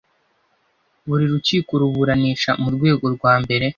Buri rukiko ruburanisha mu rwego rwa mbere